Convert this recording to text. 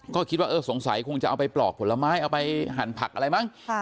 ก็คิดว่าเออสงสัยคงจะเอาไปปลอกผลไม้เอาไปหั่นผักอะไรมั้ง